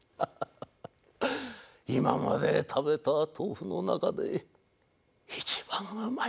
今まで食べた豆腐の中で一番うまい。